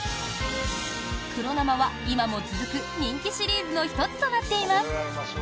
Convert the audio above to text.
黒生は今も続く人気シリーズの１つとなっています。